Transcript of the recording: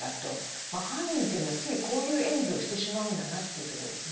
犯人というのはついこういう演技をしてしまうんだなというとこですね。